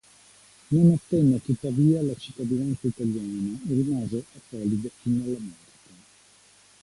Non ottenne tuttavia la cittadinanza italiana e rimase apolide fino alla morte.